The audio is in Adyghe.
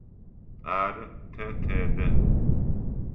Ары, тэ тэдэ.